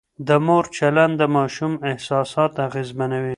د مور چلند د ماشوم احساسات اغېزمنوي.